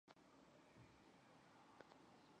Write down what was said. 至今该地区的叛乱军还是活跃。